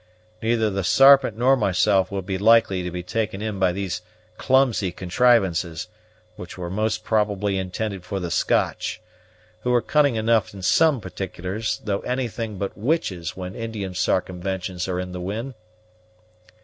Neither the Sarpent nor myself would be likely to be taken in by these clumsy contrivances, which were most probably intended for the Scotch, who are cunning enough in some particulars, though anything but witches when Indian sarcumventions are in the wind."